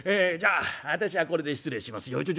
「じゃあ私はこれで失礼しますよ」。